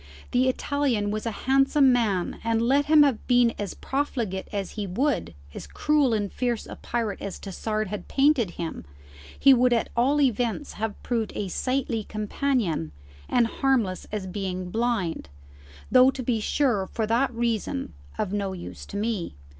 The Italian was a handsome man, and let him have been as profligate as he would, as cruel and fierce a pirate as Tassard had painted him, he would at all events have proved a sightly companion, and harmless as being blind, though to be sure for that reason of no use to me.